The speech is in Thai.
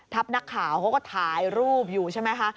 นักข่าวเขาก็ถ่ายรูปอยู่ใช่ไหมคะ